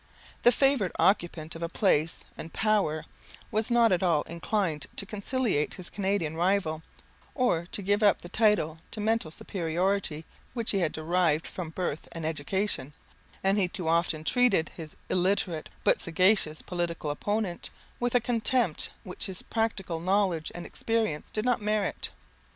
The favoured occupant of place and power was not at all inclined to conciliate his Canadian rival, or to give up the title to mental superiority which he derived from birth and education; and he too often treated his illiterate, but sagacious political opponent, with a contempt which his practical knowledge and experience did not merit.